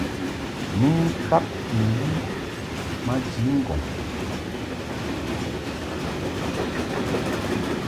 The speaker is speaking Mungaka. Ni ŋkad ni yi maji ŋgɔŋ.